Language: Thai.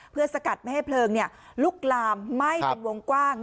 เพื่อสกัดไม่ให้เพลิงลุกลามไหม้เป็นวงกว้าง